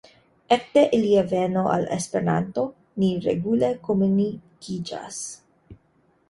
Ekde ilia veno al Esperanto ni regule komunikiĝas.